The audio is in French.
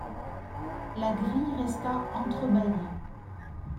La grille resta entre-bâillée.